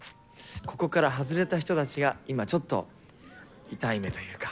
ここから外れた人たちが、今、ちょっと痛い目というか。